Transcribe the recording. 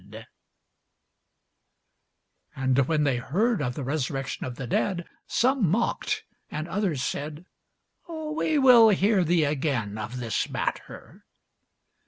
[Sidenote: The Acts 18] And when they heard of the resurrection of the dead, some mocked: and others said, We will hear thee again of this matter.